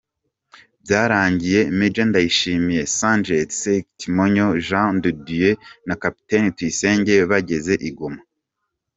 Byaragiye Maj Ndayishimiye, Sgt Sekimonyo Jean de Dieu na Capt Tuyisenge bageze i Goma.